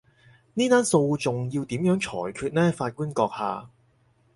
呢單訴訟要點樣裁決呢，法官閣下？